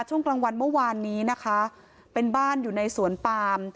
ช่วงกลางวันเมื่อวานนี้นะคะเป็นบ้านอยู่ในสวนปาม